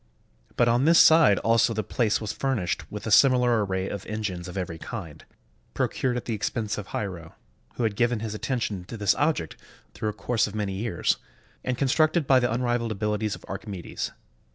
But on this side also the place was furnished with a similar array of engines of every kind, procured at the expense of Hiero, who had given his attention to this object through a course of many years, and constructed by the unrivaled abiHties of Archimedes.